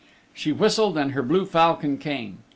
She whistled and her blue falcon came.